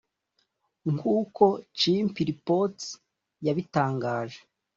nkuko Chimp reports yabitangaje